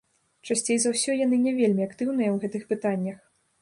Часцей за ўсё, яны не вельмі актыўныя ў гэтых пытаннях.